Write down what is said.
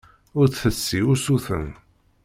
Ur d-tessi usuten.